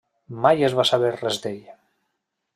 Mai es va saber res d'ell.